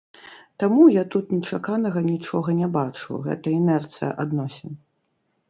Таму я тут нечаканага нічога не бачу, гэта інэрцыя адносін.